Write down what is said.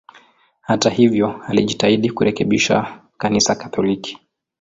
Hata hivyo, alijitahidi kurekebisha Kanisa Katoliki.